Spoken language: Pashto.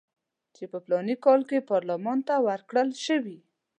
چې په فلاني کال کې پارلمان ته ورکړل شوي.